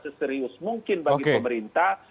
seserius mungkin bagi pemerintah